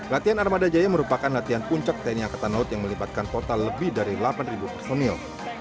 latihan armada jaya merupakan latihan puncak tni angkatan laut yang melibatkan total lebih dari delapan personil